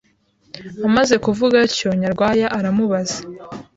Amaze kuvuga atyo, Nyarwaya aramubaza,